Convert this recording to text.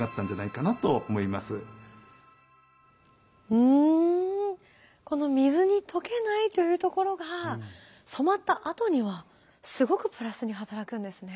うんこの水に溶けないというところが染まったあとにはすごくプラスに働くんですね。